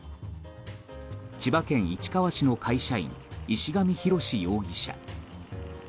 千葉県市川市の会社員石上浩志容疑者。